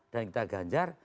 dan kita ganjar